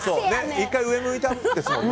１回上向いたんですもんね。